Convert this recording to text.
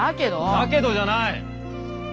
だけどじゃない。